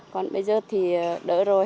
còn bây giờ thì đỡ rồi